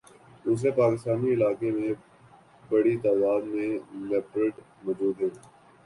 دوسرے پاکستانی علاقوں میں بڑی تعداد میں لیپرڈ موجود ہیں